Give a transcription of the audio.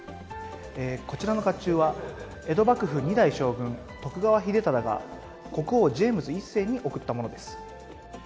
こちらのかっちゅうは、江戸幕府二代将軍、徳川秀忠が国王・ジェームズ１世に贈ったものです。